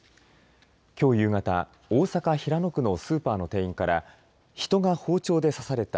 きょう夕方大阪・平野区のスーパーの店員から人が包丁で刺された。